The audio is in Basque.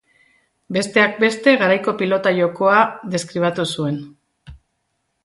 Besteak beste, garaiko pilota jokoa deskribatu zuen.